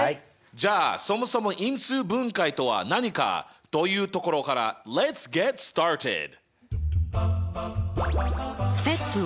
じゃあそもそも因数分解とは何かというところからＬｅｔ’ｓｇｅｔｓｔａｒｔｅｄ！